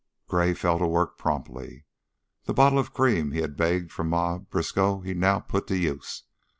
Gray fell to work promptly. The bottle of cream he had begged from Ma Briskow he now put to use.